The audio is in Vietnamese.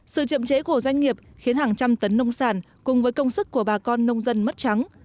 sự chậm chế của doanh nghiệp khiến hàng trăm tấn nông sản cùng với công sức của bà con nông dân mất trắng